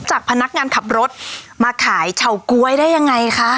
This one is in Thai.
จากพนักงานขับรถมาขายเฉาก๊วยได้ยังไงคะ